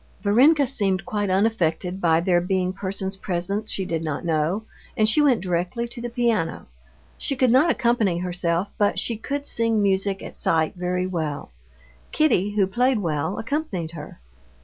Varenka seemed quite unaffected by there being persons present she did not know, and she went directly to the piano. She could not accompany herself, but she could sing music at sight very well. Kitty, who played well, accompanied her.